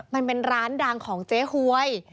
มันเป็นร้านดังของเจ๊หวย